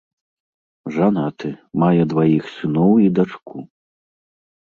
Жанаты, мае дваіх сыноў і дачку.